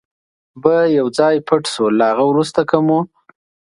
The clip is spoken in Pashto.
به یو ځای پټ شو، له هغه وروسته که مو.